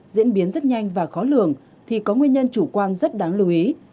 diễn biến rất nhanh và khó lường thì có nguyên nhân chủ quan rất đáng lưu ý